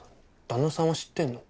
旦那さんは知ってんの？